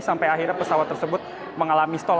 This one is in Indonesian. sampai akhirnya pesawat tersebut mengalami stall